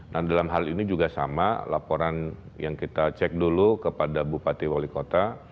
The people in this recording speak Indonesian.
nah dalam hal ini juga sama laporan yang kita cek dulu kepada bupati wali kota